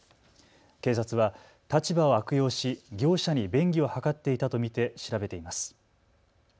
警察は立場を悪用し業者に便宜を図っていたと見て調べています。